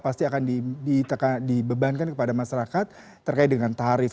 pasti akan dibebankan kepada masyarakat terkait dengan tarif